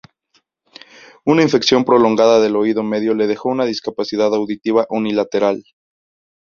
Una infección prolongada del oído medio le dejó una discapacidad auditiva unilateral.